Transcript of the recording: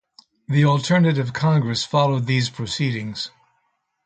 The alternative congress followed these proceedings.